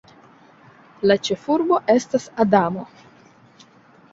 La ĉefurbo estas Adamo.